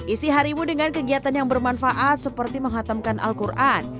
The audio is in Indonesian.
isi harimu dengan kegiatan yang bermanfaat seperti menghatamkan al quran